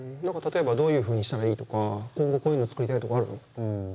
何か例えばどういうふうにしたらいいとか今後こういうの作りたいとかあるの？